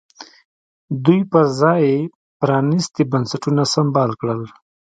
دوی پر ځای یې پرانیستي بنسټونه سمبال کړل.